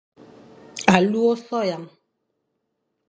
Alu ôsua.